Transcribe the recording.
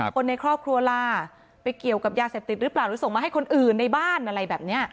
คนในครอบครัวล่ะไปเกี่ยวกับยาเสพติดหรือเปล่าหรือส่งมาให้คนอื่นในบ้านอะไรแบบนี้